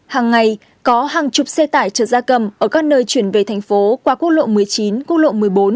hàng ngày có hàng chục xe tải trợ ra cầm ở các nơi chuyển về thành phố qua quốc lộ một mươi chín quốc lộ một mươi bốn